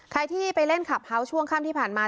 ใครที่ไปเล่นคลับเฮาส์ช่วงค่ำที่ผ่านมา